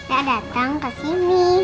ya dateng kesini